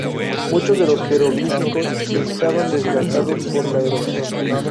Muchos de los jeroglíficos estaban desgastados por la erosión.